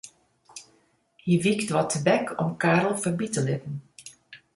Hy wykt wat tebek om Karel foarby te litten.